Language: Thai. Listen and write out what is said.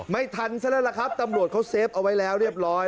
ไม่ทันซะแล้วล่ะครับตำรวจเขาเฟฟเอาไว้แล้วเรียบร้อย